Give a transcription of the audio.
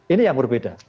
ini yang berbeda